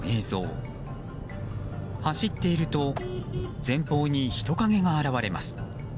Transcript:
走っていると前方に人影が現れます。